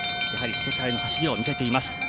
やはり世界の走りを見せています。